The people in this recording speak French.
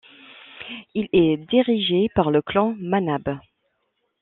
Il est dirigé par le clan Manabe.